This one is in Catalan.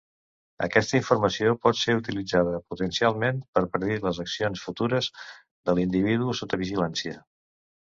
Aquesta informació pot ser utilitzada potencialment per predir les accions futures de l'individu sota vigilància.